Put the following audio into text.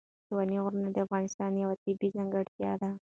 ستوني غرونه د افغانستان یوه طبیعي ځانګړتیا ده.